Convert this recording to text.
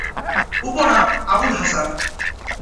উপনাম: আবুল হাসান।